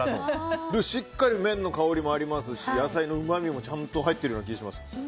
しっかり麺の香りもありますし野菜のうまみもちゃんと入っているような気がします。